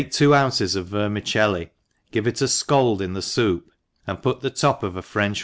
twa ounces of verniicelli^ give it a fcald in |}wfQtip« and put the top of a French.